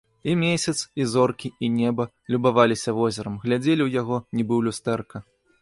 І месяц, і зоркі, і неба любаваліся возерам, глядзелі ў яго, нібы ў люстэрка.